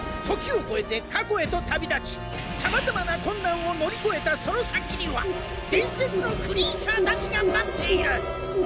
時を超えて過去へと旅立ちさまざまな困難を乗り越えたその先には伝説のクリーチャーたちが待っている。